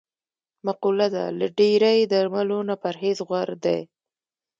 مقوله ده: له ډېری درملو نه پرهېز غور دی.